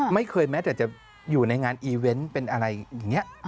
แม้แต่จะอยู่ในงานอีเวนต์เป็นอะไรอย่างนี้